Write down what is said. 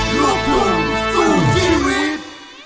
ลูกทุ่งสู้ชีวิต